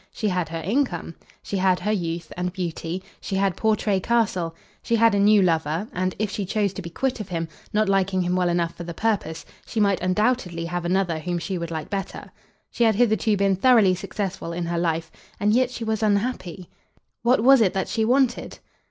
She had her income. She had her youth and beauty. She had Portray Castle. She had a new lover, and, if she chose to be quit of him, not liking him well enough for the purpose, she might undoubtedly have another whom she would like better. She had hitherto been thoroughly successful in her life. And yet she was unhappy. What was it that she wanted?